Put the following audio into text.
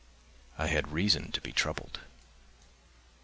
I had reason to be troubled.